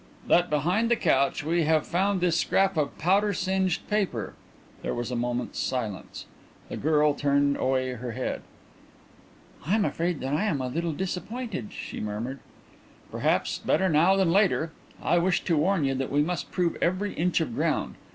"That behind the couch we have found this scrap of powder singed paper." There was a moment's silence. The girl turned away her head. "I am afraid that I am a little disappointed," she murmured. "Perhaps better now than later. I wished to warn you that we must prove every inch of ground.